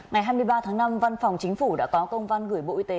ngày hai mươi ba tháng năm văn phòng chính phủ đã có công văn gửi bộ y tế